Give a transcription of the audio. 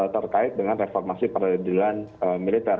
terkait dengan reformasi peradilan militer